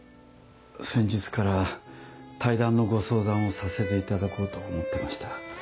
先日から退団のご相談をさせていただこうと思ってました。